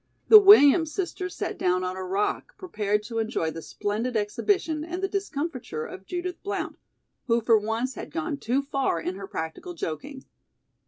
The Williams sisters sat down on a rock, prepared to enjoy the splendid exhibition and the discomfiture of Judith Blount, who for once had gone too far in her practical joking.